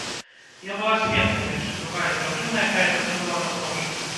Я была сведкам, і яшчэ другая дзяўчына, якая тады была на плошчы.